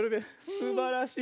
すばらしい。